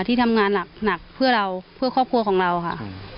ที่ทำงานหนักเพื่อเราเพื่อครอบครัวของเราค่ะ